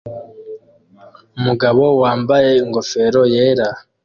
Umugabo wambaye ingofero yera